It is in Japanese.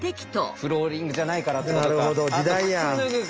フローリングじゃないからってことか。